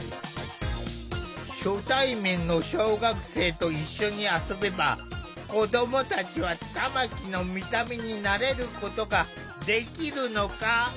初対面の小学生と一緒に遊べば子どもたちは玉木の見た目に慣れることができるのか？